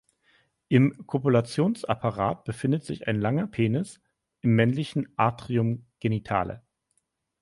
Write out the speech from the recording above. Im Kopulationsapparat befindet sich ein langer Penis im männlichen Atrium genitale.